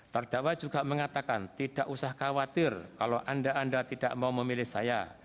terdakwa juga mengatakan tidak usah khawatir kalau anda anda tidak mau memilih saya